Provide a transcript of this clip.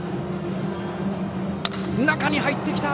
中に入ってきた。